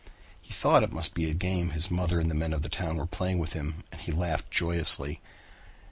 He thought it must be a game his mother and the men of the town were playing with him and laughed joyously.